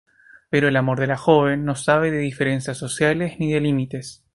Pero el amor de la joven no sabe de diferencias sociales ni de límites.